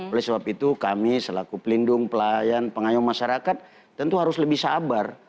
oleh sebab itu kami selaku pelindung pelayan pengayuh masyarakat tentu harus lebih sabar